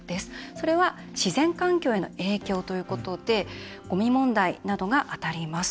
それは自然環境への影響ということでゴミ問題などが当たります。